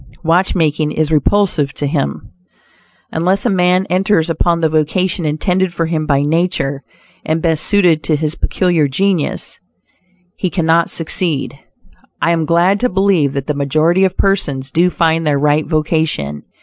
Watchmaking is repulsive to him. Unless a man enters upon the vocation intended for him by nature, and best suited to his peculiar genius, he cannot succeed. I am glad to believe that the majority of persons do find their right vocation.